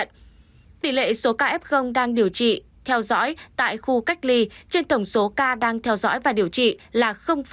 tỷ lệ số ca f đang điều trị theo dõi tại khu cách ly trên tổng số ca đang theo dõi và điều trị là hai mươi tám